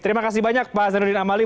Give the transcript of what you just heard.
terima kasih banyak pak zainuddin amali